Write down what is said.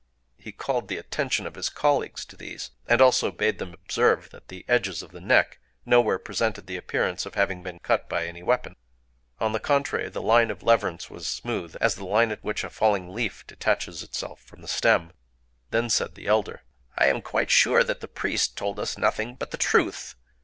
He called the attention of his colleagues to these, and also bade them observe that the edges of the neck nowhere presented the appearance of having been cut by any weapon. On the contrary, the line of leverance was smooth as the line at which a falling leaf detaches itself from the stem... Then said the elder:— "I am quite sure that the priest told us nothing but the truth.